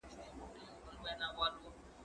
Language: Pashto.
زه کښېناستل نه کوم،